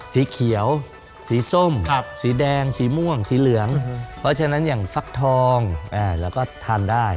สีเขียวสีส้มสีแดงสีม่วงสีเหลืองเพราะฉะนั้นอย่างฟักทองเราก็ทานได้